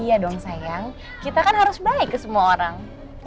sayang sayang kita kan harus baik ke semua orang